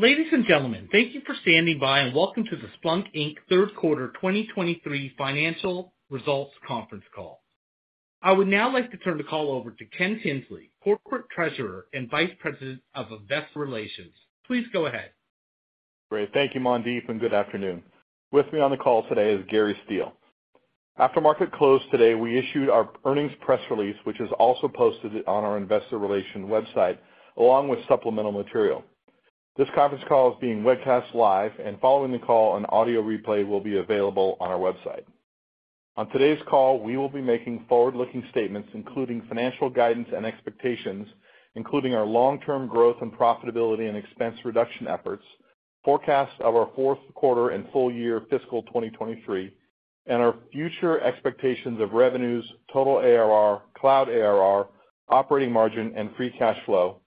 Ladies and gentlemen, thank you for standing by and welcome to the Splunk Inc. Third Quarter 2023 Financial Results Conference Call. I would now like to turn the call over to Ken Tinsley, Corporate Treasurer and Vice President of Investor Relations. Please go ahead. Great. Thank you, Mandeep. Good afternoon. With me on the call today is Gary Steele. After market close today, we issued our earnings press release, which is also posted on our investor relations website, along with supplemental material. This conference call is being webcast live. Following the call, an audio replay will be available on our website. On today's call, we will be making forward-looking statements, including financial guidance and expectations, including our long-term growth and profitability and expense reduction efforts, forecasts of our fourth quarter and full year fiscal 2023, and our future expectations of revenues, total ARR, Cloud ARR, operating margin, and free cash flow,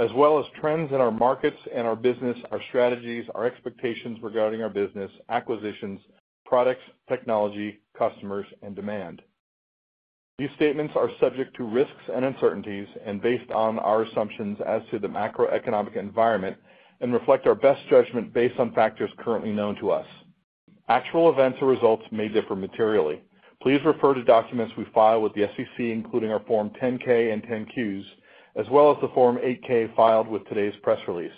as well as trends in our markets and our business, our strategies, our expectations regarding our business, acquisitions, products, technology, customers, and demand. These statements are subject to risks and uncertainties and based on our assumptions as to the macroeconomic environment and reflect our best judgment based on factors currently known to us. Actual events or results may differ materially. Please refer to documents we file with the SEC, including our Form 10-K and 10-Qs, as well as the Form 8-K filed with today's press release.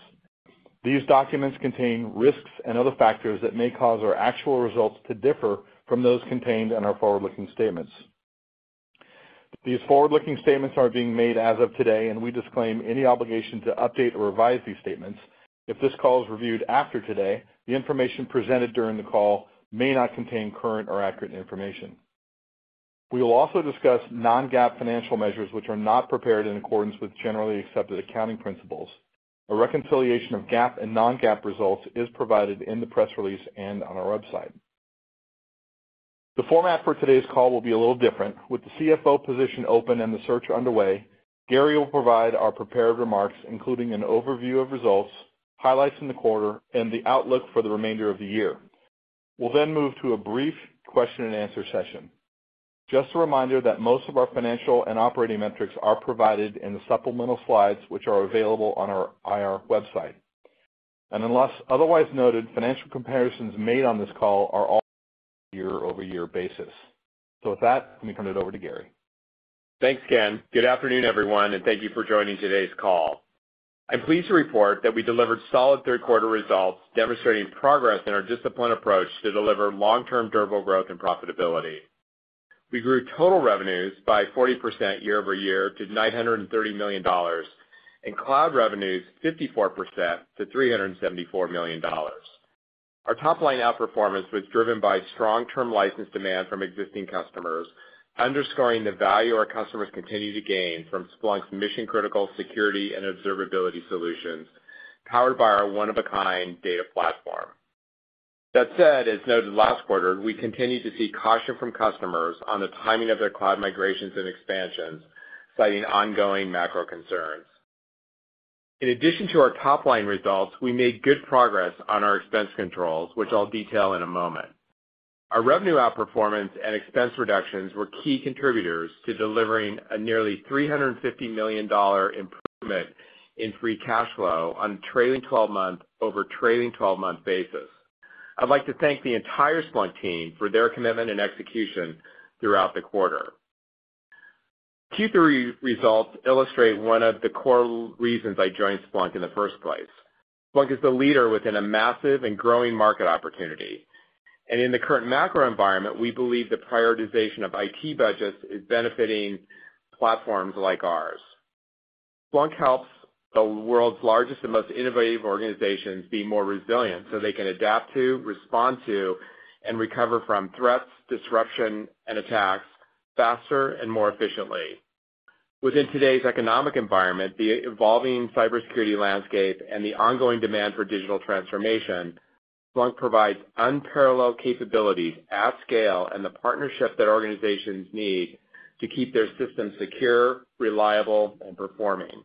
These documents contain risks and other factors that may cause our actual results to differ from those contained in our forward-looking statements. These forward-looking statements are being made as of today, and we disclaim any obligation to update or revise these statements. If this call is reviewed after today, the information presented during the call may not contain current or accurate information. We will also discuss non-GAAP financial measures which are not prepared in accordance with generally accepted accounting principles. A reconciliation of GAAP and non-GAAP results is provided in the press release and on our website. The format for today's call will be a little different. With the CFO position open and the search underway, Gary will provide our prepared remarks, including an overview of results, highlights in the quarter, and the outlook for the remainder of the year. We'll then move to a brief question and answer session. Just a reminder that most of our financial and operating metrics are provided in the supplemental slides, which are available on our IR website. Unless otherwise noted, financial comparisons made on this call are all year-over-year basis. With that, let me turn it over to Gary. Thanks, Ken. Good afternoon, everyone, and thank you for joining today's call. I'm pleased to report that we delivered solid third quarter results demonstrating progress in our disciplined approach to deliver long-term durable growth and profitability. We grew total revenues by 40% year-over-year to $930 million and cloud revenues 54% to $374 million. Our top-line outperformance was driven by strong term license demand from existing customers, underscoring the value our customers continue to gain from Splunk's mission-critical security and observability solutions, powered by our one-of-a-kind data platform. That said, as noted last quarter, we continue to see caution from customers on the timing of their cloud migrations and expansions, citing ongoing macro concerns. In addition to our top-line results, we made good progress on our expense controls, which I'll detail in a moment. Our revenue outperformance and expense reductions were key contributors to delivering a nearly $350 million improvement in free cash flow on trailing-12-month over trailing 12-month basis. I'd like to thank the entire Splunk team for their commitment and execution throughout the quarter. Q3 results illustrate one of the core reasons I joined Splunk in the first place. Splunk is the leader within a massive and growing market opportunity. In the current macro environment, we believe the prioritization of IT budgets is benefiting platforms like ours. Splunk helps the world's largest and most innovative organizations be more resilient so they can adapt to, respond to, and recover from threats, disruption, and attacks faster and more efficiently. Within today's economic environment, the evolving cybersecurity landscape and the ongoing demand for digital transformation, Splunk provides unparalleled capabilities at scale and the partnership that organizations need to keep their systems secure, reliable, and performing.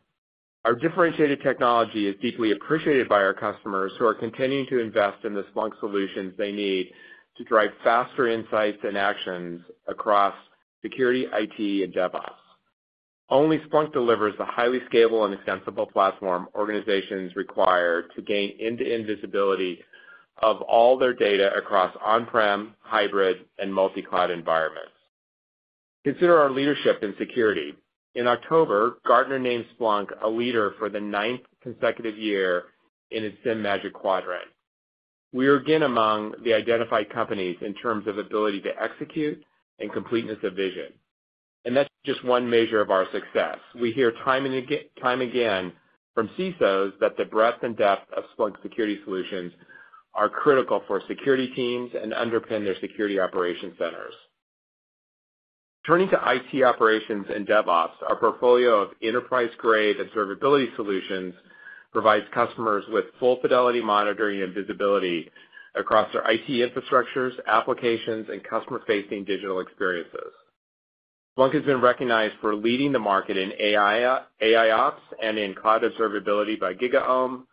Our differentiated technology is deeply appreciated by our customers who are continuing to invest in the Splunk solutions they need to drive faster insights and actions across security, IT, and DevOps. Only Splunk delivers the highly scalable and extensible platform organizations require to gain end-to-end visibility of all their data across on-prem, hybrid, and multi-cloud environments. Consider our leadership in security. In October, Gartner named Splunk a leader for the ninth consecutive year in its SIEM Magic Quadrant. We are again among the identified companies in terms of ability to execute and completeness of vision. That's just one measure of our success. We hear time and time again from CISOs that the breadth and depth of Splunk security solutions are critical for security teams and underpin their security operation centers. Turning to IT operations and DevOps, our portfolio of enterprise-grade observability solutions provides customers with full fidelity monitoring and visibility across their IT infrastructures, applications, and customer-facing digital experiences. Splunk has been recognized for leading the market in AI, AIOps, and in cloud observability by GigaOm,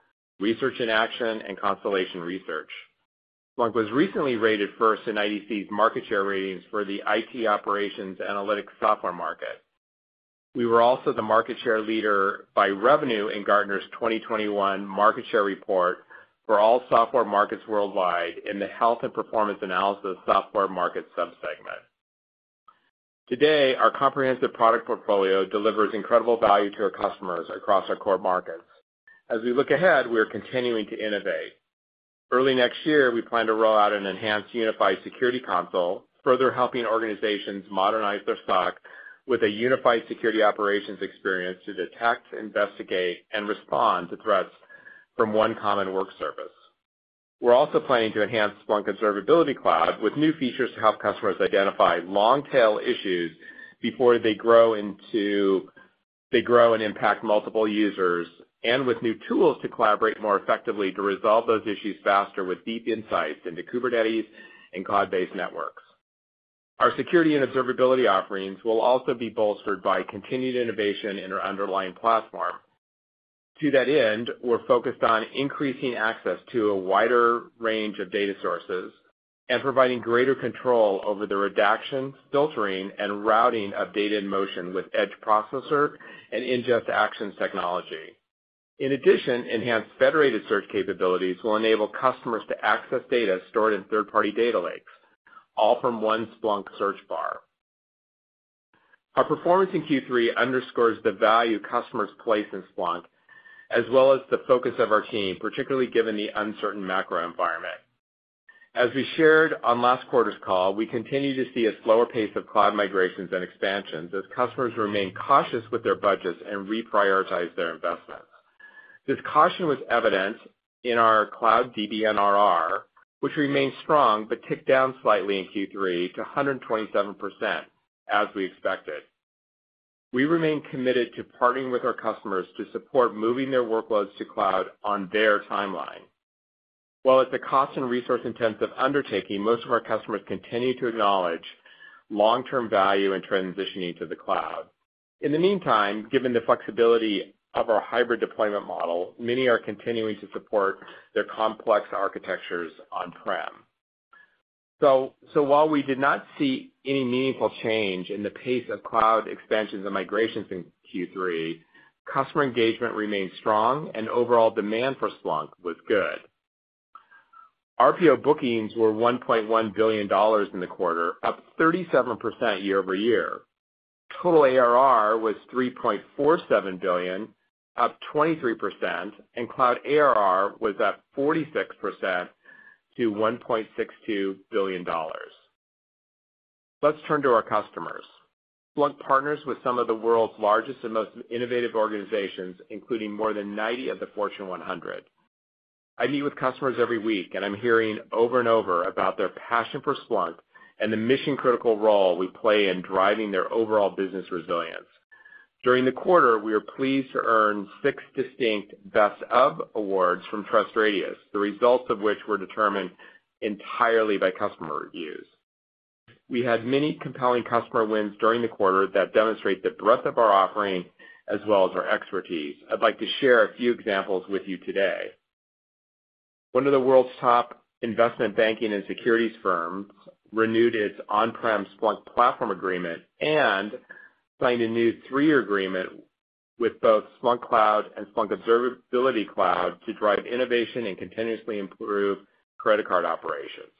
Research in Action, and Constellation Research. Splunk was recently rated first in IDC's market share ratings for the IT operations analytics software market. We were also the market share leader by revenue in Gartner's 2021 market share report for all software markets worldwide in the health and performance analysis software market sub-segment. Today, our comprehensive product portfolio delivers incredible value to our customers across our core markets. As we look ahead, we are continuing to innovate. Early next year, we plan to roll out an enhanced unified security console, further helping organizations modernize their stock with a unified security operations experience to detect, investigate, and respond to threats from one common work service. We're also planning to enhance Splunk Observability Cloud with new features to help customers identify long-tail issues before they grow and impact multiple users, and with new tools to collaborate more effectively to resolve those issues faster with deep insights into Kubernetes and cloud-based networks. Our security and observability offerings will also be bolstered by continued innovation in our underlying platform. To that end, we're focused on increasing access to a wider range of data sources and providing greater control over the redaction, filtering, and routing of data in motion with Edge Processor and Ingest Actions technology. In addition, enhanced Federated Search capabilities will enable customers to access data stored in third-party data lakes, all from one Splunk search bar. Our performance in Q3 underscores the value customers place in Splunk, as well as the focus of our team, particularly given the uncertain macro environment. We shared on last quarter's call, we continue to see a slower pace of cloud migrations and expansions as customers remain cautious with their budgets and reprioritize their investments. This caution was evident in our cloud DBNRR, which remains strong, but ticked down slightly in Q3 to 127%, as we expected. We remain committed to partnering with our customers to support moving their workloads to cloud on their timeline. While it's a cost and resource intensive undertaking, most of our customers continue to acknowledge long-term value in transitioning to the cloud. In the meantime, given the flexibility of our hybrid deployment model, many are continuing to support their complex architectures on-prem. While we did not see any meaningful change in the pace of cloud expansions and migrations in Q3, customer engagement remained strong and overall demand for Splunk was good. RPO bookings were $1.1 billion in the quarter, up 37% year-over-year. Total ARR was $3.47 billion, up 23%, and cloud ARR was up 46% to $1.62 billion. Let's turn to our customers. Splunk partners with some of the world's largest and most innovative organizations, including more than 90 of the Fortune 100. I meet with customers every week, I'm hearing over and over about their passion for Splunk and the mission-critical role we play in driving their overall business resilience. During the quarter, we are pleased to earn six distinct best of awards from TrustRadius, the results of which were determined entirely by customer reviews. We had many compelling customer wins during the quarter that demonstrate the breadth of our offering as well as our expertise. I'd like to share a few examples with you today. One of the world's top investment banking and securities firms renewed its on-prem Splunk platform agreement and signed a new three-year agreement with both Splunk Cloud and Splunk Observability Cloud to drive innovation and continuously improve credit card operations.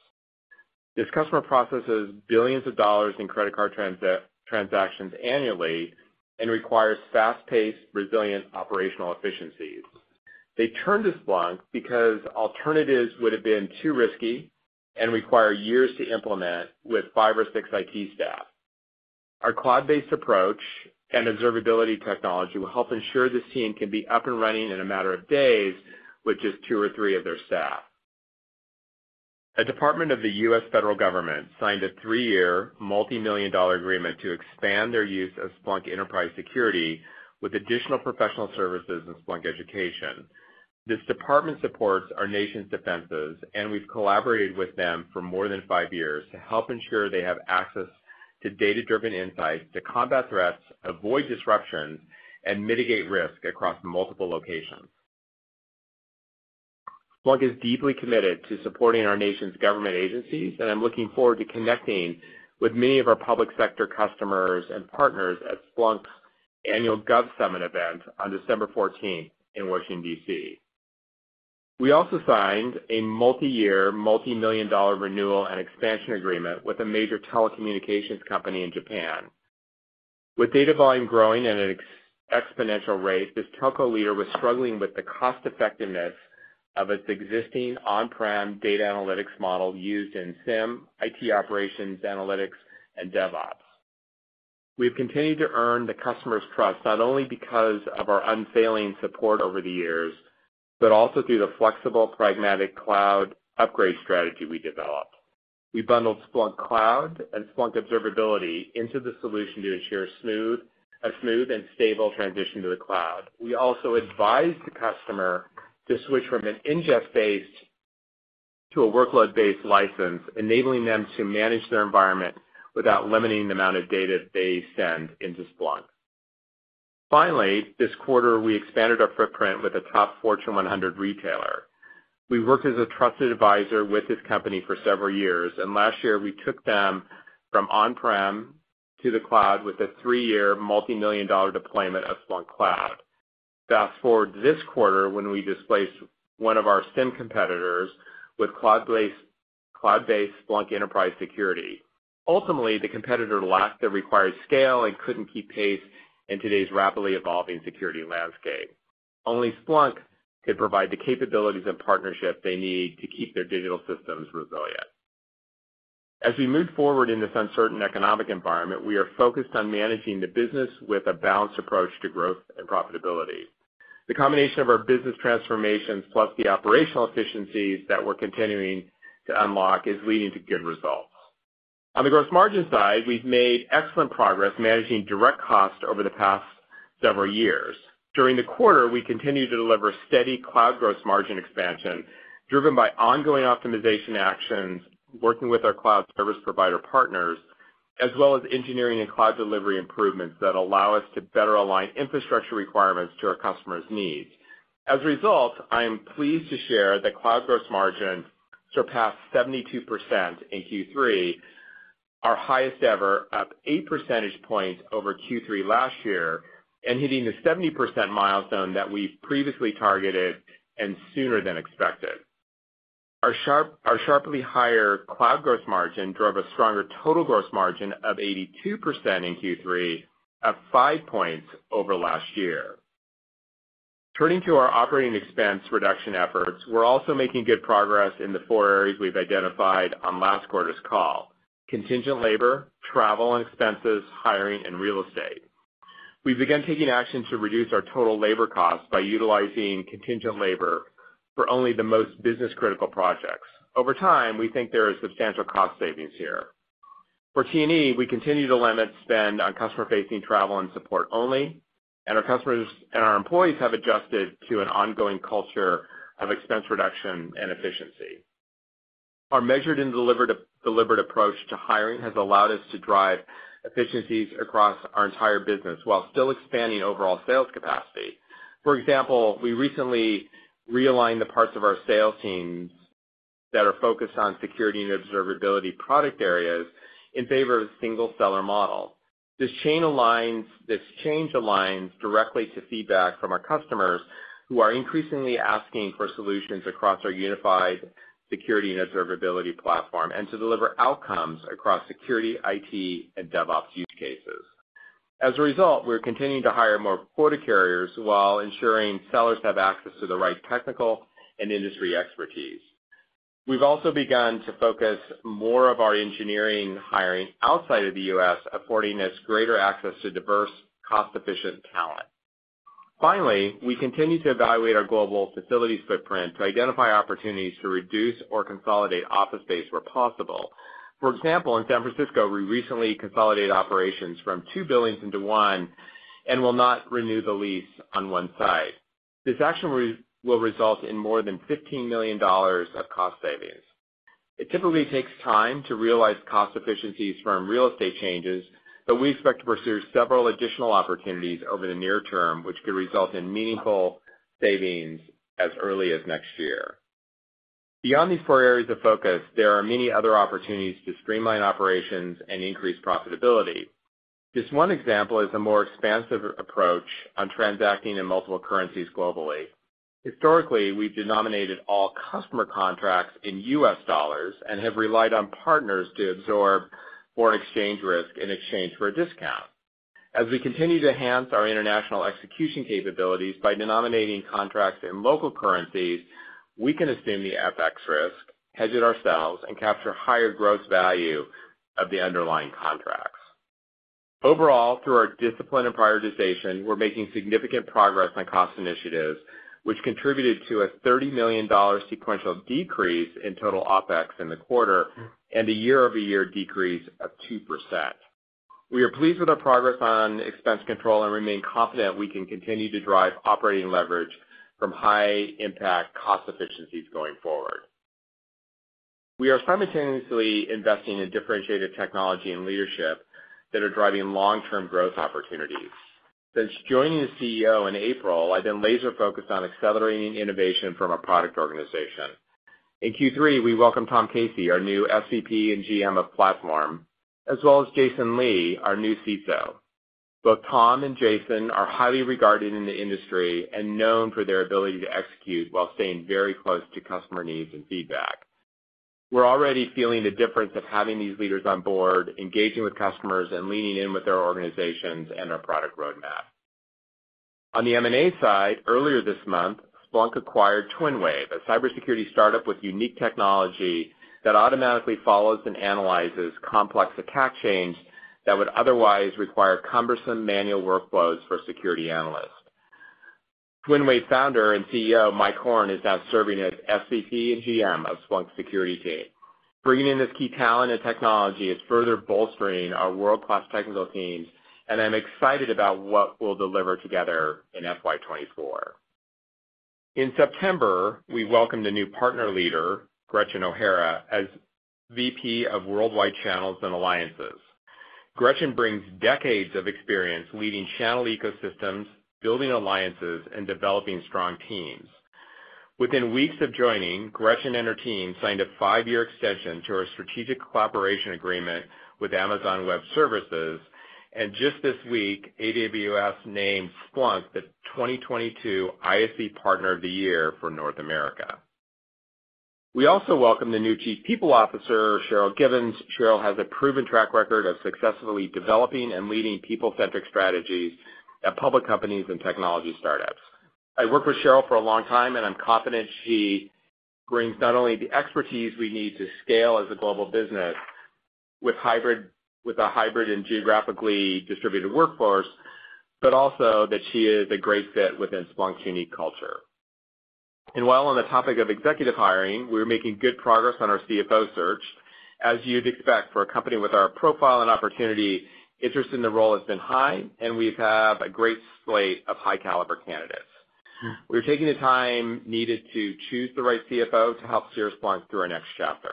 This customer processes billions of dollars in credit card transactions annually and requires fast-paced, resilient operational efficiencies. They turned to Splunk because alternatives would have been too risky and require years to implement with five or six IT staff. Our cloud-based approach and observability technology will help ensure the team can be up and running in a matter of days with just two or three of their staff. A department of the U.S. federal government signed a three-year multimillion-dollar agreement to expand their use of Splunk Enterprise Security with additional professional services and Splunk Education. This department supports our nation's defenses. We've collaborated with them for more than five years to help ensure they have access to data-driven insights to combat threats, avoid disruption, and mitigate risk across multiple locations. Splunk is deeply committed to supporting our nation's government agencies. I'm looking forward to connecting with many of our public sector customers and partners at Splunk's annual GovSummit event on December 14th in Washington, D.C. We also signed a multi-year, multimillion-dollar renewal and expansion agreement with a major telecommunications company in Japan. With data volume growing at an exponential rate, this telco leader was struggling with the cost effectiveness of its existing on-prem data analytics model used in SIEM, IT operations, analytics, and DevOps. We've continued to earn the customer's trust, not only because of our unfailing support over the years, but also through the flexible, pragmatic cloud upgrade strategy we developed. We bundled Splunk Cloud and Splunk Observability into the solution to ensure a smooth and stable transition to the cloud. We also advised the customer to switch from an ingest-based to a workload-based license, enabling them to manage their environment without limiting the amount of data they send into Splunk. Finally, this quarter, we expanded our footprint with a top Fortune 100 retailer. We've worked as a trusted advisor with this company for several years, and last year we took them from on-prem to the cloud with a three-year multimillion-dollar deployment of Splunk Cloud. Fast-forward to this quarter when we displaced one of our SIEM competitors with cloud-based Splunk Enterprise Security. Ultimately, the competitor lacked the required scale and couldn't keep pace in today's rapidly evolving security landscape. Only Splunk could provide the capabilities and partnership they need to keep their digital systems resilient. As we move forward in this uncertain economic environment, we are focused on managing the business with a balanced approach to growth and profitability. The combination of our business transformations, plus the operational efficiencies that we're continuing to unlock, is leading to good results. On the gross margin side, we've made excellent progress managing direct costs over the past several years. During the quarter, we continued to deliver steady cloud gross margin expansion, driven by ongoing optimization actions, working with our cloud service provider partners, as well as engineering and cloud delivery improvements that allow us to better align infrastructure requirements to our customers' needs. As a result, I am pleased to share that cloud gross margin surpassed 72% in Q3, our highest ever, up 8 percentage points over Q3 last year, and hitting the 70% milestone that we previously targeted and sooner than expected. Our sharply higher cloud gross margin drove a stronger total gross margin of 82% in Q3, up five points over last year. Turning to our operating expense reduction efforts, we're also making good progress in the four areas we've identified on last quarter's call: contingent labor, travel and expenses, hiring, and real estate. We've begun taking action to reduce our total labor costs by utilizing contingent labor for only the most business-critical projects. Over time, we think there are substantial cost savings here. For T&E, we continue to limit spend on customer-facing travel and support only. Our customers and our employees have adjusted to an ongoing culture of expense reduction and efficiency. Our measured and deliberate approach to hiring has allowed us to drive efficiencies across our entire business while still expanding overall sales capacity. For example, we recently realigned the parts of our sales teams that are focused on security and observability product areas in favor of a single-seller model. This change aligns directly to feedback from our customers who are increasingly asking for solutions across our unified security and observability platform and to deliver outcomes across security, IT, and DevOps use cases. As a result, we're continuing to hire more quota carriers while ensuring sellers have access to the right technical and industry expertise. We've also begun to focus more of our engineering hiring outside of the U.S., affording us greater access to diverse, cost-efficient talent. Finally, we continue to evaluate our global facilities footprint to identify opportunities to reduce or consolidate office space where possible. For example, in San Francisco, we recently consolidated operations from two buildings into one and will not renew the lease on one site. This action will result in more than $15 million of cost savings. It typically takes time to realize cost efficiencies from real estate changes, but we expect to pursue several additional opportunities over the near term, which could result in meaningful savings as early as next year. Beyond these four areas of focus, there are many other opportunities to streamline operations and increase profitability. Just one example is a more expansive approach on transacting in multiple currencies globally. Historically, we've denominated all customer contracts in U.S. dollars and have relied on partners to absorb foreign exchange risk in exchange for a discount. As we continue to enhance our international execution capabilities by denominating contracts in local currencies, we can assume the FX risk, hedge it ourselves, and capture higher gross value of the underlying contracts. Overall, through our discipline and prioritization, we're making significant progress on cost initiatives, which contributed to a $30 million sequential decrease in total OpEx in the quarter and a year-over-year decrease of 2%. We are pleased with our progress on expense control and remain confident we can continue to drive operating leverage from high-impact cost efficiencies going forward. We are simultaneously investing in differentiated technology and leadership that are driving long-term growth opportunities. Since joining as CEO in April, I've been laser-focused on accelerating innovation from a product organization. In Q3, we welcomed Tom Casey, our new SVP and GM of Platform, as well as Jason Lee, our new CISO. Both Tom and Jason are highly regarded in the industry and known for their ability to execute while staying very close to customer needs and feedback. We're already feeling the difference of having these leaders on board, engaging with customers, and leaning in with their organizations and our product roadmap. On the M&A side, earlier this month, Splunk acquired TwinWave, a cybersecurity startup with unique technology that automatically follows and analyzes complex attack chains that would otherwise require cumbersome manual workflows for security analysts. TwinWave Founder and CEO, Mike Horn, is now serving as SVP and GM of Splunk Security team. Bringing in this key talent and technology is further bolstering our world-class technical teams, and I'm excited about what we'll deliver together in FY 2024. In September, we welcomed a new partner leader, Gretchen O'Hara, as VP of Worldwide Channels and Alliances. Gretchen brings decades of experience leading channel ecosystems, building alliances, and developing strong teams. Within weeks of joining, Gretchen and her team signed a five-year extension to our strategic collaboration agreement with Amazon Web Services. Just this week, AWS named Splunk the 2022 ISV Partner of the Year for North America. We also welcome the new Chief People Officer, Sharyl Givens. Sharyl has a proven track record of successfully developing and leading people-centric strategies at public companies and technology startups. I've worked with Sharyl for a long time, and I'm confident she brings not only the expertise we need to scale as a global business with a hybrid and geographically distributed workforce, but also that she is a great fit within Splunk's unique culture. While on the topic of executive hiring, we're making good progress on our CFO search. As you'd expect for a company with our profile and opportunity, interest in the role has been high. We have a great slate of high caliber candidates. We're taking the time needed to choose the right CFO to help steer Splunk through our next chapter.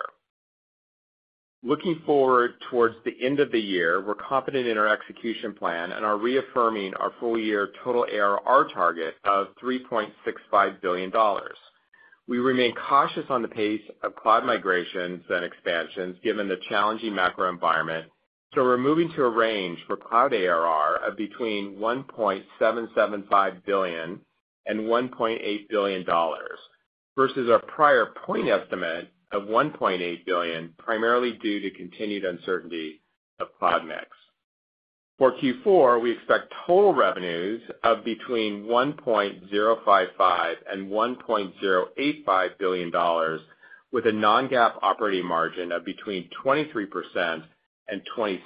Looking forward towards the end of the year, we're confident in our execution plan and are reaffirming our full year total ARR target of $3.65 billion. We remain cautious on the pace of cloud migrations and expansions given the challenging macro environment. We're moving to a range for Cloud ARR of between $1.775 billion and $1.8 billion versus our prior point estimate of $1.8 billion, primarily due to continued uncertainty of cloud mix. For Q4, we expect total revenues of between $1.055 billion and $1.085 billion with a non-GAAP operating margin of between 23% and 26%,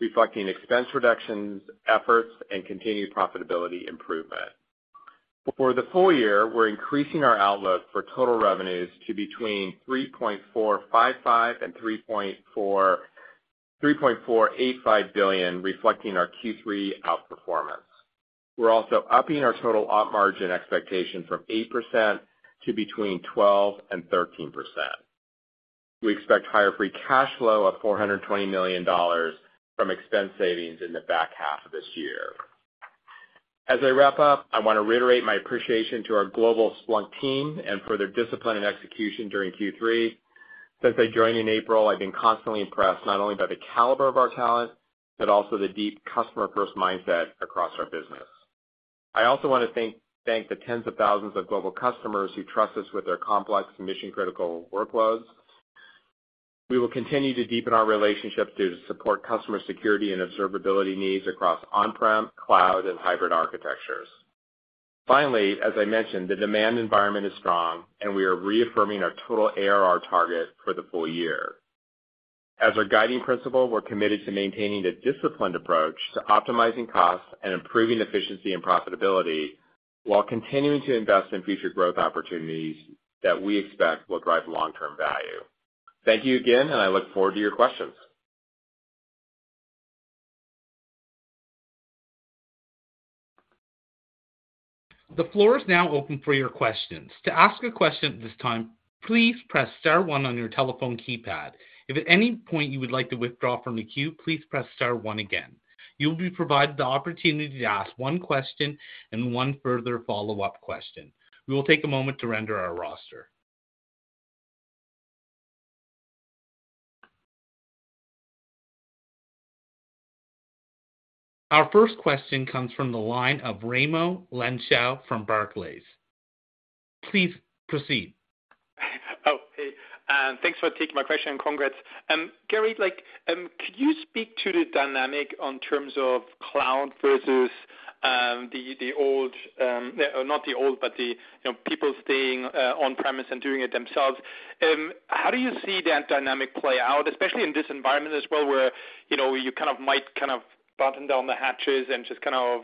reflecting expense reductions efforts and continued profitability improvement. For the full year, we're increasing our outlook for total revenues to between $3.455 billion and $3.485 billion, reflecting our Q3 outperformance. We're also upping our total op margin expectation from 8% to between 12% and 13%. We expect higher free cash flow of $420 million from expense savings in the back half of this year. As I wrap up, I want to reiterate my appreciation to our global Splunk team and for their discipline and execution during Q3. Since I joined in April, I've been constantly impressed not only by the caliber of our talent, but also the deep customer first mindset across our business. I also want to thank the tens of thousands of global customers who trust us with their complex and mission-critical workloads. We will continue to deepen our relationships to support customer security and observability needs across on-prem, cloud, and hybrid architectures. As I mentioned, the demand environment is strong, and we are reaffirming our total ARR target for the full year. As our guiding principle, we're committed to maintaining a disciplined approach to optimizing costs and improving efficiency and profitability while continuing to invest in future growth opportunities that we expect will drive long-term value. Thank you again, and I look forward to your questions. The floor is now open for your questions. To ask a question at this time, please press star one on your telephone keypad. If at any point you would like to withdraw from the queue, please press star one again. You'll be provided the opportunity to ask one question and one further follow-up question. We will take a moment to render our roster. Our first question comes from the line of Raimo Lenschow from Barclays. Please proceed. Hey, thanks for taking my question. Congrats. Gary, could you speak to the dynamic on terms of cloud versus the old, or not the old, but the, you know, people staying on-premises and doing it themselves. How do you see that dynamic play out, especially in this environment as well, where, you know, you kind of might button down the hatches and just kind of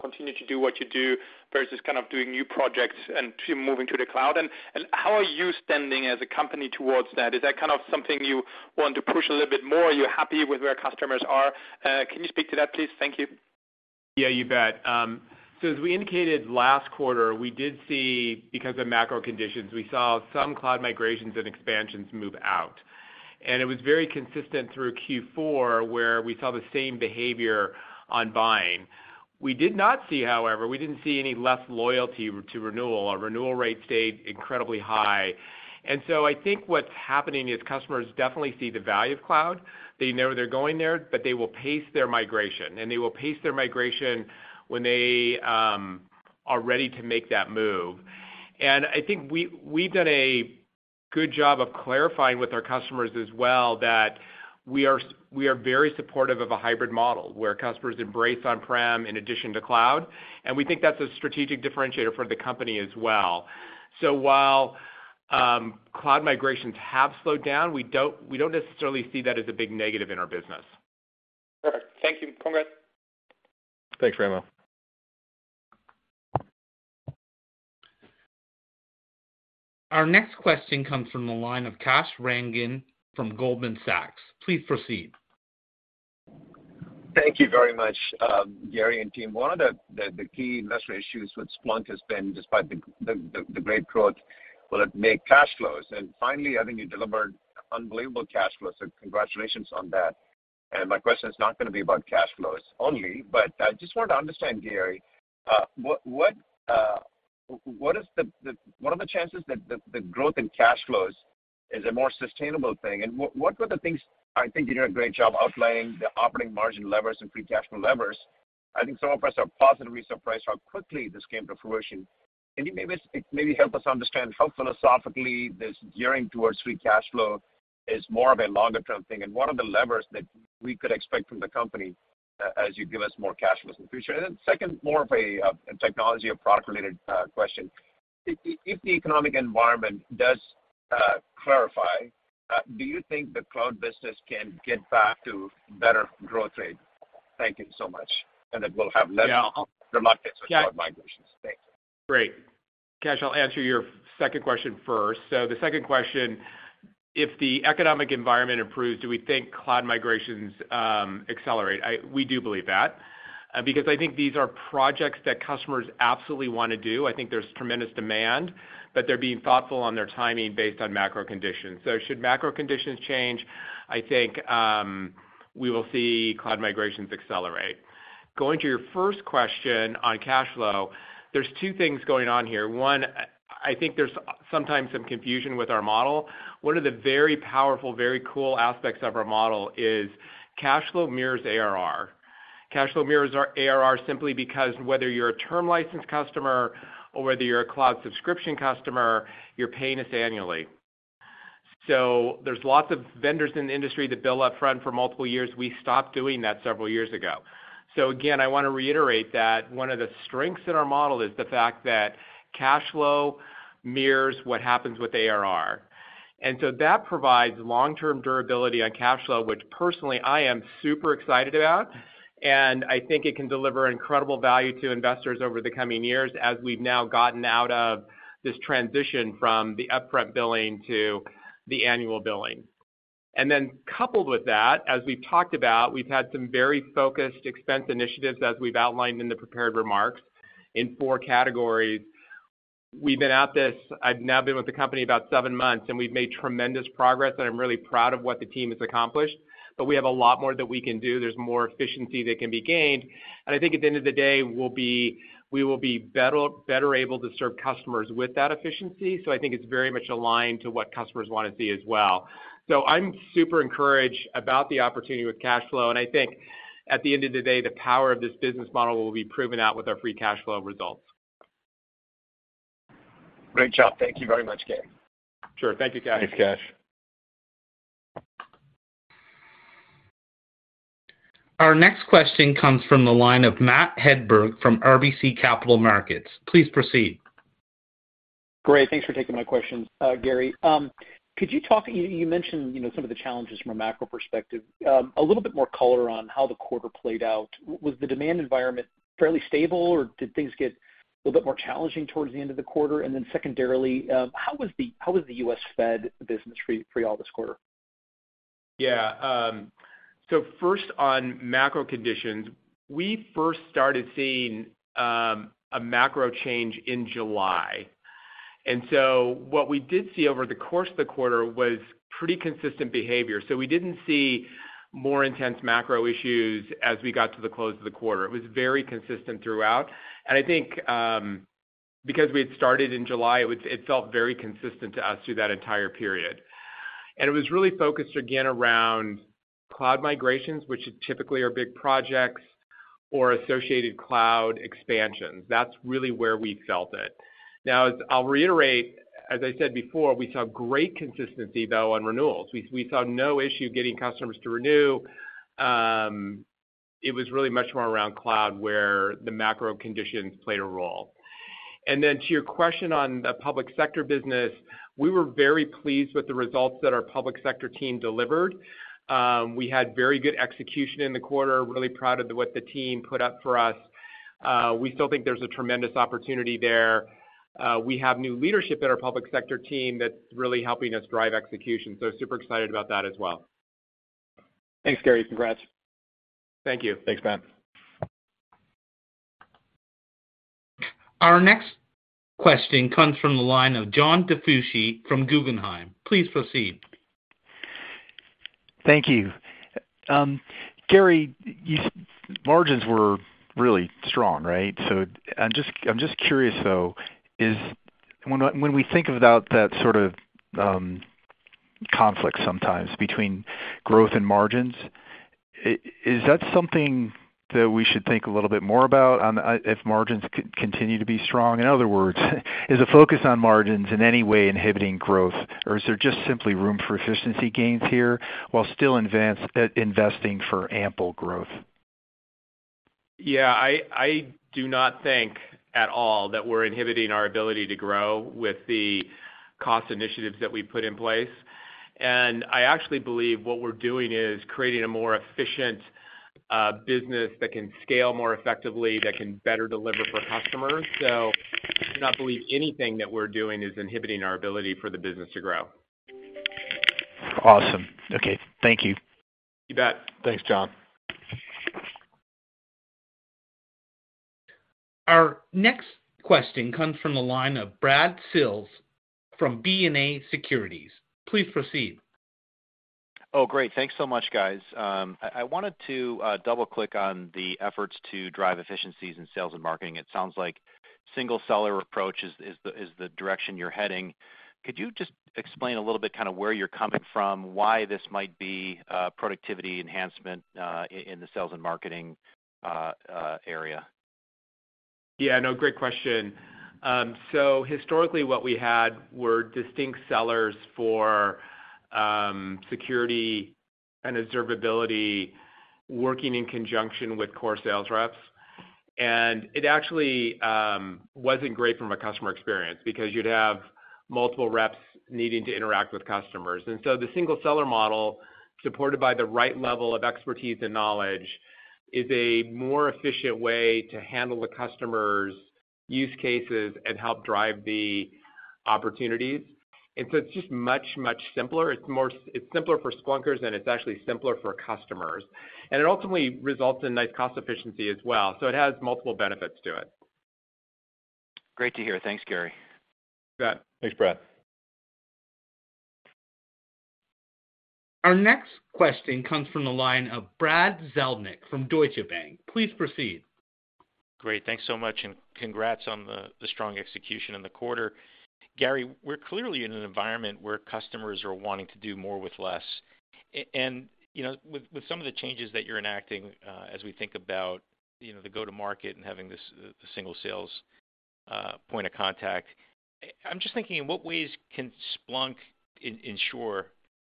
continue to do what you do versus kind of doing new projects and to moving to the cloud? How are you standing as a company towards that? Is that kind of something you want to push a little bit more? Are you happy with where customers are? Can you speak to that, please? Thank you. Yeah, you bet. As we indicated last quarter, we did see, because of macro conditions, we saw some cloud migrations and expansions move out. It was very consistent through Q4, where we saw the same behavior on buying. We did not see, however, we didn't see any less loyalty to renewal. Our renewal rate stayed incredibly high. I think what's happening is customers definitely see the value of cloud. They know they're going there, but they will pace their migration, and they will pace their migration when they are ready to make that move. I think we've done a good job of clarifying with our customers as well that we are very supportive of a hybrid model where customers embrace on-prem in addition to cloud, and we think that's a strategic differentiator for the company as well. While, cloud migrations have slowed down, we don't necessarily see that as a big negative in our business. Perfect. Thank you. Congrats. Thanks, Raimo. Our next question comes from the line of Kash Rangan from Goldman Sachs. Please proceed. Thank you very much, Gary and team. One of the key investor issues with Splunk has been despite the great growth, will it make cash flows? Finally, I think you delivered unbelievable cash flows, so congratulations on that. My question is not gonna be about cash flows only, but I just want to understand, Gary, what are the chances that the growth in cash flows is a more sustainable thing? What were the things... I think you did a great job outlining the operating margin levers and free cash flow levers. I think some of us are positively surprised how quickly this came to fruition. Can you maybe help us understand how philosophically this gearing towards free cash flow is more of a longer term thing and what are the levers that we could expect from the company as you give us more cash flows in the future? Second, more of a technology or product related question. If the economic environment does clarify, do you think the cloud business can get back to better growth rate? Thank you so much. Yeah. Reluctance with cloud migrations. Thanks. Great. Kash, I'll answer your second question first. The second question, if the economic environment improves, do we think cloud migrations accelerate? We do believe that because I think these are projects that customers absolutely want to do. I think there's tremendous demand, but they're being thoughtful on their timing based on macro conditions. Should macro conditions change, I think, we will see cloud migrations accelerate. Going to your first question on cash flow, there's two things going on here. One, I think there's sometimes some confusion with our model. One of the very powerful, very cool aspects of our model is cash flow mirrors ARR. Cash flow mirrors our ARR simply because whether you're a term license customer or whether you're a cloud subscription customer, you're paying us annually. There's lots of vendors in the industry that bill up front for multiple years. We stopped doing that several years ago. Again, I wanna reiterate that one of the strengths in our model is the fact that cash flow mirrors what happens with ARR. That provides long-term durability on cash flow, which personally I am super excited about, and I think it can deliver incredible value to investors over the coming years as we've now gotten out of this transition from the upfront billing to the annual billing. Coupled with that, as we've talked about, we've had some very focused expense initiatives, as we've outlined in the prepared remarks, in four categories. I've now been with the company about seven months, and we've made tremendous progress, and I'm really proud of what the team has accomplished. We have a lot more that we can do. There's more efficiency that can be gained. I think at the end of the day, we will be better able to serve customers with that efficiency. I think it's very much aligned to what customers wanna see as well. I'm super encouraged about the opportunity with cash flow, and I think at the end of the day, the power of this business model will be proven out with our free cash flow results. Great job. Thank you very much, Gary. Sure. Thank you, Kash. Thanks, Kash. Our next question comes from the line of Matt Hedberg from RBC Capital Markets. Please proceed. Great. Thanks for taking my question, Gary. Could you talk, you mentioned, you know, some of the challenges from a macro perspective. A little bit more color on how the quarter played out. Was the demand environment fairly stable, or did things get a little bit more challenging towards the end of the quarter? Secondarily, how was the U.S. Fed business for you all this quarter? First on macro conditions. We first started seeing a macro change in July. What we did see over the course of the quarter was pretty consistent behavior. We didn't see more intense macro issues as we got to the close of the quarter. It was very consistent throughout. I think, because we had started in July, it felt very consistent to us through that entire period. It was really focused again around cloud migrations, which typically are big projects or associated cloud expansions. That's really where we felt it. Now, I'll reiterate, as I said before, we saw great consistency though on renewals. We saw no issue getting customers to renew. It was really much more around cloud where the macro conditions played a role. To your question on the public sector business, we were very pleased with the results that our public sector team delivered. We had very good execution in the quarter. Really proud of what the team put up for us. We still think there's a tremendous opportunity there. We have new leadership at our public sector team that's really helping us drive execution, so super excited about that as well. Thanks, Gary. Congrats. Thank you. Thanks, Matt. Our next question comes from the line of John DiFucci from Guggenheim. Please proceed. Thank you. Gary, margins were really strong, right? I'm just, I'm just curious, though, is when we think about that sort of conflict sometimes between growth and margins, is that something that we should think a little bit more about if margins continue to be strong? In other words, is the focus on margins in any way inhibiting growth, or is there just simply room for efficiency gains here while still investing for ample growth? Yeah, I do not think at all that we're inhibiting our ability to grow with the cost initiatives that we put in place. I actually believe what we're doing is creating a more efficient business that can scale more effectively, that can better deliver for customers. I do not believe anything that we're doing is inhibiting our ability for the business to grow. Awesome. Okay. Thank you. You bet. Thanks, John. Our next question comes from the line of Brad Sills from BofA Securities. Please proceed. Great. Thanks so much, guys. I wanted to double-click on the efforts to drive efficiencies in sales and marketing. It sounds like single seller approach is the direction you're heading. Could you just explain a little bit kind of where you're coming from, why this might be a productivity enhancement in the sales and marketing area? Yeah, no, great question. Historically, what we had were distinct sellers for security and observability working in conjunction with core sales reps. It actually wasn't great from a customer experience because you'd have multiple reps needing to interact with customers. The single seller model, supported by the right level of expertise and knowledge, is a more efficient way to handle the customer's use cases and help drive the opportunities. It's just much, much simpler. It's simpler for Splunkers, and it's actually simpler for customers, and it ultimately results in nice cost efficiency as well. It has multiple benefits to it. Great to hear. Thanks, Gary. You bet. Thanks, Brad. Our next question comes from the line of Brad Zelnick from Deutsche Bank. Please proceed. Great, thanks so much, and congrats on the strong execution in the quarter. Gary, we're clearly in an environment where customers are wanting to do more with less. You know, with some of the changes that you're enacting, as we think about, you know, the go-to-market and having the single sales point of contact, I'm just thinking, in what ways can Splunk ensure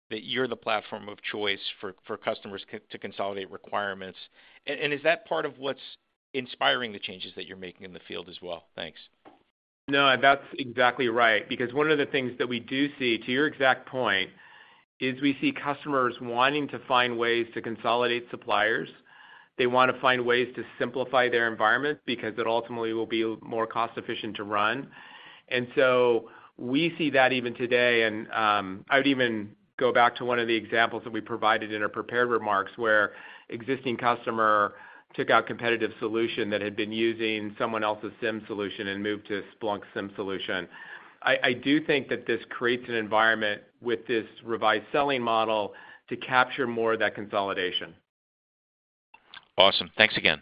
that you're the platform of choice for customers to consolidate requirements? Is that part of what's inspiring the changes that you're making in the field as well? Thanks. No, that's exactly right because one of the things that we do see, to your exact point, is we see customers wanting to find ways to consolidate suppliers. They wanna find ways to simplify their environment because it ultimately will be more cost efficient to run. We see that even today, and I would even go back to one of the examples that we provided in our prepared remarks, where existing customer took out competitive solution that had been using someone else's SIEM solution and moved to Splunk SIEM solution. I do think that this creates an environment with this revised selling model to capture more of that consolidation. Awesome. Thanks again.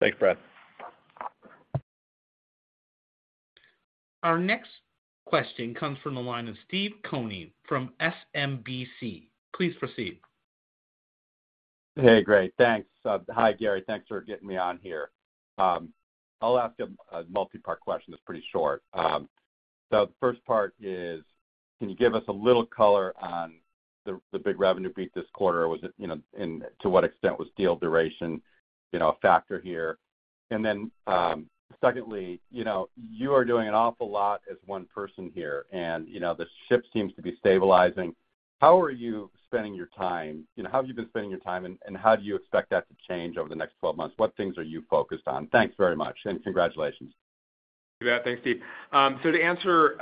Thanks, Brad. Our next question comes from the line of Steve Koenig from SMBC. Please proceed. Hey, great, thanks. Hi, Gary. Thanks for getting me on here. I'll ask a multi-part question that's pretty short. The first part is, can you give us a little color on the big revenue beat this quarter? Was it, you know, and to what extent was deal duration, you know, a factor here? Secondly, you know, you are doing an awful lot as one person here, and, you know, the ship seems to be stabilizing. How are you spending your time? You know, how have you been spending your time, and how do you expect that to change over the next 12 months? What things are you focused on? Thanks very much, and congratulations. You bet. Thanks, Steve. To answer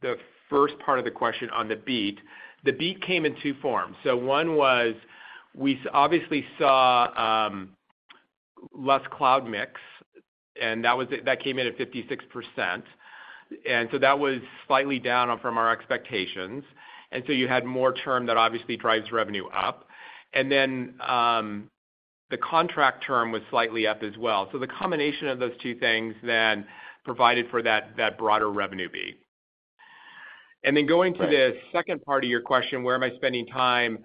the first part of the question on the beat, the beat came in two forms. One was we obviously saw less cloud mix, and that was, that came in at 56%. That was slightly down from our expectations. You had more term that obviously drives revenue up. The contract term was slightly up as well. The combination of those two things provided for that broader revenue beat. Going to the second part of your question, where am I spending time?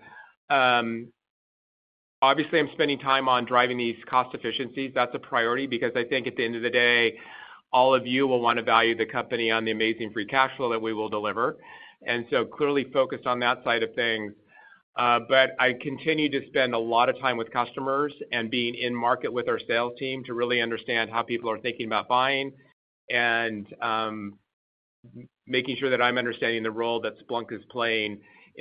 Obviously I'm spending time on driving these cost efficiencies. That's a priority because I think at the end of the day, all of you will want to value the company on the amazing free cash flow that we will deliver, and so clearly focused on that side of things. I continue to spend a lot of time with customers and being in market with our sales team to really understand how people are thinking about buying and, making sure that I'm understanding the role that Splunk is playing in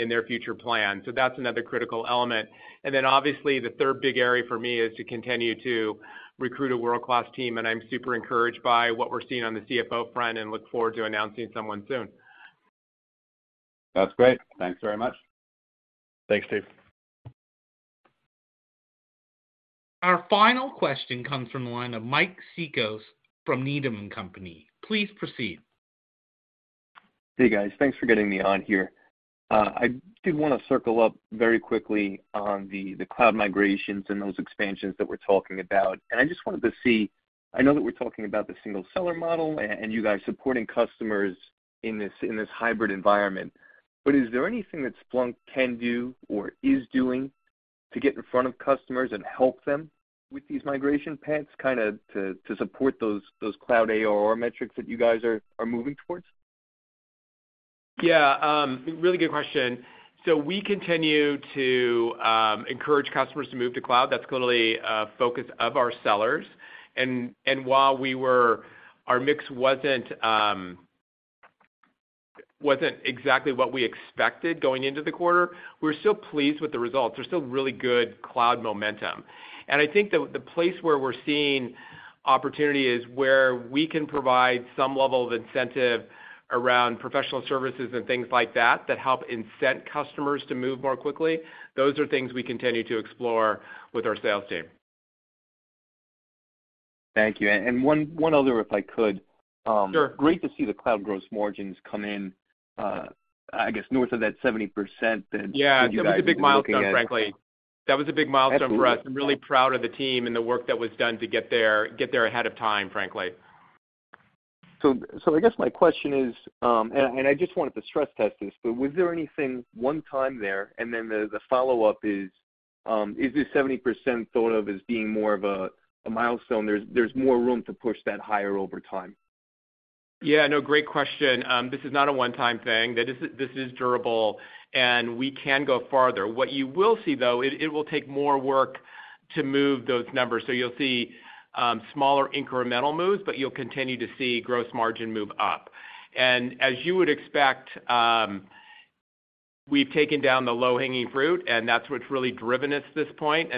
their future plan. That's another critical element. Obviously the third big area for me is to continue to recruit a world-class team, and I'm super encouraged by what we're seeing on the CFO front and look forward to announcing someone soon. That's great. Thanks very much. Thanks, Steve. Our final question comes from the line of Mike Cikos from Needham & Company. Please proceed. Hey, guys. Thanks for getting me on here. I did wanna circle up very quickly on the cloud migrations and those expansions that we're talking about. I just wanted to see, I know that we're talking about the single seller model and you guys supporting customers in this, in this hybrid environment, is there anything that Splunk can do or is doing to get in front of customers and help them with these migration paths, kind of to support those cloud ARR metrics that you guys are moving towards? Yeah, really good question. We continue to encourage customers to move to cloud. That's clearly a focus of our sellers. While our mix wasn't exactly what we expected going into the quarter, we're still pleased with the results. There's still really good cloud momentum. I think the place where we're seeing opportunity is where we can provide some level of incentive around professional services and things like that help incent customers to move more quickly. Those are things we continue to explore with our sales team. Thank you. One other, if I could. Sure. Great to see the cloud gross margins come in, I guess north of that 70%. Yeah. You guys were looking at. That was a big milestone, frankly. That was a big milestone for us. Absolutely. I'm really proud of the team and the work that was done to get there, get there ahead of time, frankly. I guess my question is, and I just wanted to stress test this, but was there anything one time there? The follow-up is this 70% thought of as being more of a milestone? There's more room to push that higher over time. Yeah. No, great question. This is not a one-time thing. This is durable, and we can go farther. What you will see, though, it will take more work to move those numbers. You'll see smaller incremental moves, but you'll continue to see gross margin move up. As you would expect, we've taken down the low-hanging fruit, and that's what's really driven us at this point.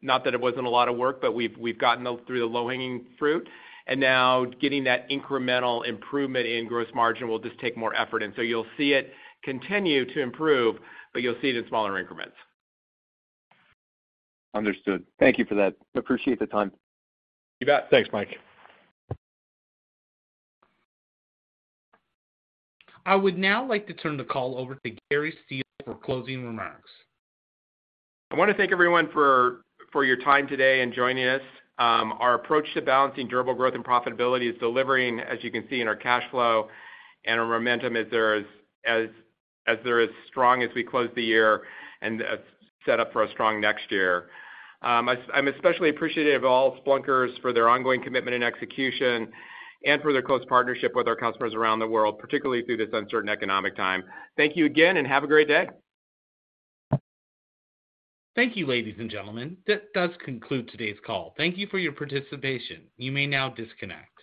Not that it wasn't a lot of work, but we've gotten through the low-hanging fruit, and now getting that incremental improvement in gross margin will just take more effort. You'll see it continue to improve, but you'll see it in smaller increments. Understood. Thank you for that. Appreciate the time. You bet. Thanks, Mike. I would now like to turn the call over to Gary Steele for closing remarks. I want to thank everyone for your time today and joining us. Our approach to balancing durable growth and profitability is delivering, as you can see in our cash flow and our momentum is as strong as we close the year and set up for a strong next year. I'm especially appreciative of all Splunkers for their ongoing commitment and execution and for their close partnership with our customers around the world, particularly through this uncertain economic time. Thank you again. Have a great day. Thank you, ladies and gentlemen. That does conclude today's call. Thank you for your participation. You may now disconnect.